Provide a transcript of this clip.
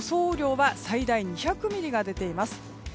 雨量は最大２００ミリが出ています。